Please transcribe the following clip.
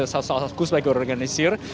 saya juga berkumpul di sini